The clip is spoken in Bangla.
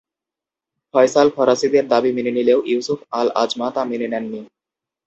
ফয়সাল ফরাসিদের দাবি মেনে নিলেও ইউসুফ আল-আজমা তা মেনে নেননি।